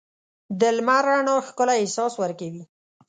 د لمر رڼا ښکلی احساس ورکوي.